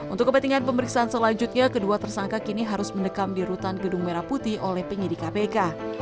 untuk kepentingan pemeriksaan selanjutnya kedua tersangka kini harus mendekam di rutan gedung merah putih oleh penyidik kpk